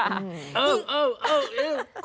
เอ้าเอ้า